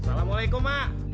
hai salamualaikum mak